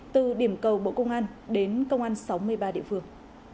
từ điểm cầu bộ công an đến công an sáu mươi ba địa phương